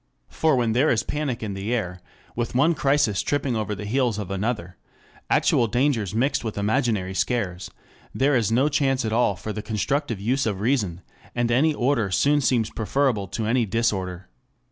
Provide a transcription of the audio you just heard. For when there is panic in the air, with one crisis tripping over the heels of another, actual dangers mixed with imaginary scares, there is no chance at all for the constructive use of reason, and any order soon seems preferable to any disorder.